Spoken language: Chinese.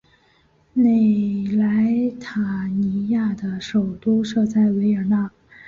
内莱塔尼亚的首都设在维也纳。